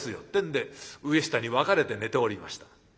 ってんで上下に分かれて寝ておりました。